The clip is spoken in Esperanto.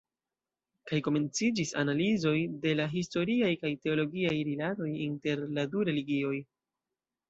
Kaj komenciĝis analizoj de la historiaj kaj teologiaj rilatoj inter la du religioj.